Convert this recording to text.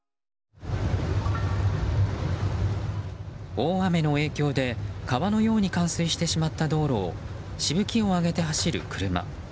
大雨の影響で川のように冠水してしまった道路をしぶきをあげて走る車。